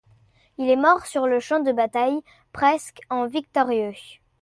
Il est mort sur le champ de bataille, presque en victorieux.